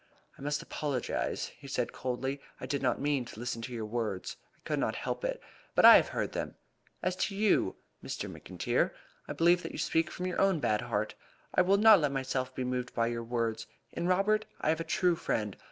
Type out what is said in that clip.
"I must apologise," he said coldly. "I did not mean to listen to your words. I could not help it. But I have heard them. As to you, Mr. McIntyre, I believe that you speak from your own bad heart. I will not let myself be moved by your words. In Robert I have a true friend.